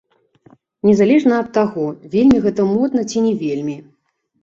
Незалежна ад таго, вельмі гэта модна ці не вельмі.